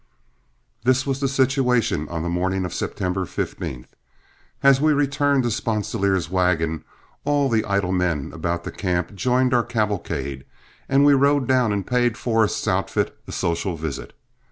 This was the situation on the morning of September 15. As we returned to Sponsilier's wagon, all the idle men about the camp joined our cavalcade, and we rode down and paid Forrest's outfit a social visit.